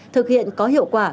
thực hiện có hiệu quả